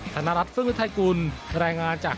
ธนรัฐฟึงฤทัยกุลรายงานจาก